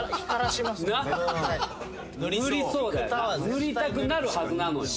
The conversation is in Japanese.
塗りたくなるはずなのよ。